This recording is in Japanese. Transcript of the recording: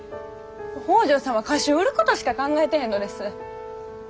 北條さんは歌集を売ることしか考えてへんのです。